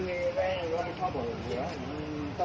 เมื่อ๑๙นาทีแม่งก็โดดใส่หน้าโน้น